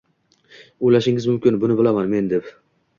O‘ylashingiz mumkin, buni bilaman men deb.